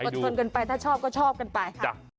ทนกันไปถ้าชอบก็ชอบกันไป